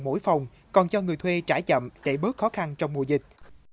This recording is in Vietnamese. mỗi phòng còn cho người thuê trả chậm để bớt khó khăn trong mùa dịch